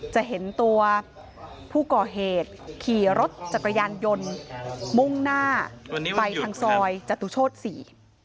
จะเห็นตัวผู้ก่อเหตุขี่รถจักรยานยนต์มุ่งหน้าวันนี้มันหยุดครับไปทางซอยจตุโชศสี่